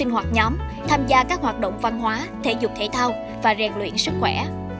hoặc nhóm tham gia các hoạt động văn hóa thể dục thể thao và rèn luyện sức khỏe